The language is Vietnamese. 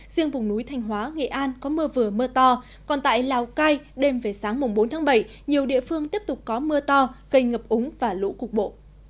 riêng vùng núi thanh hóa nghệ an có mưa vừa mưa to còn tại lào cai đêm về sáng bốn tháng bảy nhiều địa phương tiếp tục có mưa to cây ngập úng và lũ cục bộ